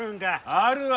あるわ！